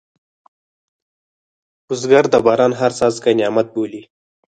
بزګر د باران هر څاڅکی نعمت بولي